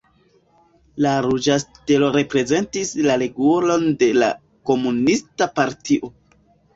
La ruĝa stelo reprezentis la regulon de la Komunista Partio.